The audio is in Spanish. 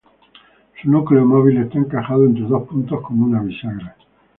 Su núcleo móvil está encajado entre dos puntos como una bisagra.